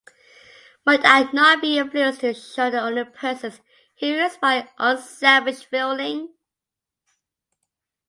Might I not be influenced to shun the only persons who inspire unselfish feeling?